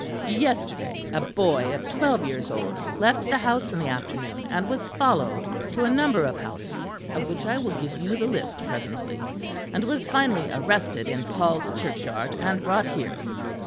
Yesterday, a boy of twelve years old, left the house in the afternoon, and was followed to a number of houses, of which I will give you the list presently; and was finally arrested in Paul's Churchyard and brought here.